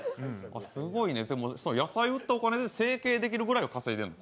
すごいね、でも野菜を売ったお金で整形できるぐらい稼いでるの？